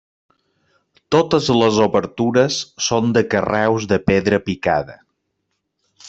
Totes les obertures són de carreus de pedra picada.